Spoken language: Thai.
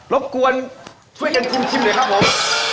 รบกวนช่วยกันคุมชิมหน่อยครับผม